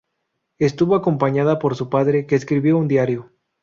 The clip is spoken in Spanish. Estuvo acompañada por su padre que escribió un diario.